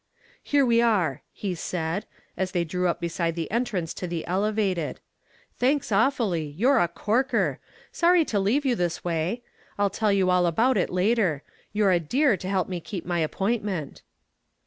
"Here we are," he said, as they drew up beside the entrance to the Elevated. "Thanks awfully, you're a corker, sorry to leave you this way. I'll tell you all about it later. You're a dear to help me keep my appointment."